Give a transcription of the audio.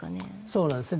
そうなんですね。